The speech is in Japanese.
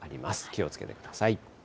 気をつけてください。